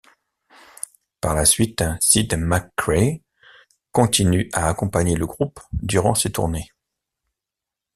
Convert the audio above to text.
Par la suite, Sid Mc Cray continue à accompagner le groupe durant ses tournées.